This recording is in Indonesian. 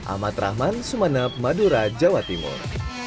ahmad rahman sumeneb madura jawa timur